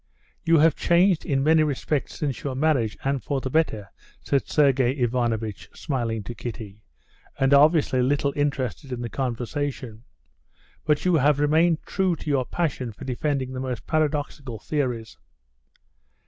"You have changed in many respects since your marriage, and for the better," said Sergey Ivanovitch, smiling to Kitty, and obviously little interested in the conversation, "but you have remained true to your passion for defending the most paradoxical theories."